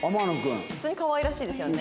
普通にかわいらしいですよね。